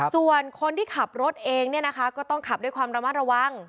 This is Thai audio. ส่วนคนที่ขับรถเองเนี่ยนะคะก็ต้องขับด้วยความระมัดระวัง